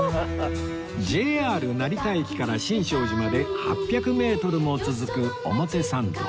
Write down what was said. ＪＲ 成田駅から新勝寺まで８００メートルも続く表参道